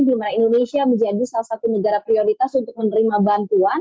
di mana indonesia menjadi salah satu negara prioritas untuk menerima bantuan